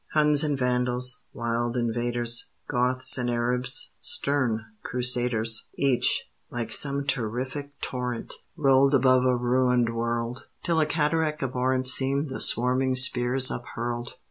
Huns and Vandals; wild invaders: Goths and Arabs; stern Crusaders: Each, like some terrific torrent, Rolled above a ruined world; Till a cataract abhorrent Seemed the swarming spears uphurled.